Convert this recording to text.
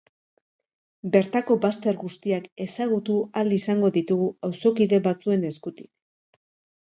Bertako bazter guztiak ezagutu ahal izango ditugu auzokide batzuen eskutik.